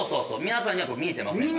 皆さんには見えてませんから。